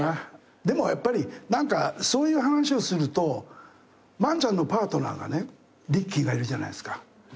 でもやっぱり何かそういう話をすると萬ちゃんのパートナーがねリッキーがいるじゃないですか。